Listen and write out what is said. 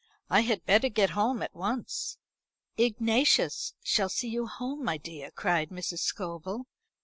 I had better get home at once." "Ignatius shall see you home, my dear," cried Mrs. Scobel.